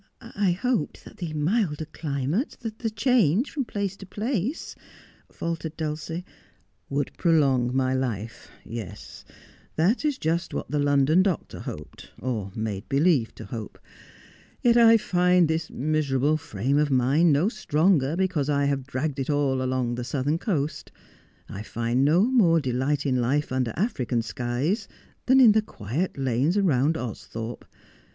' I hoped that the milder climate, the change from place to place ' faltered Dulcie. ' Would prolong my life. Yes, that is just what the London doctor hoped — or made believe to hope. Yet I find this miser able frame of mine no stronger because I have dragged it all along the southern coast. I find no more delight in life under African skies than in the quiet lanes round Austhorpe.